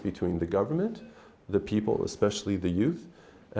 mà chúng tôi có thể